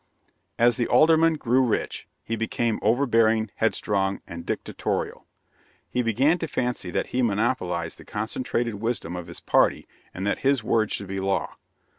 As the Alderman grew rich, he became overbearing, headstrong, and dictatorial. He began to fancy that he monopolized the concentrated wisdom of his party, and that his word should be law.